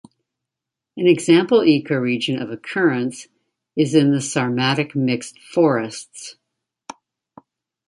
An example ecoregion of occurrence is in the Sarmatic mixed forests.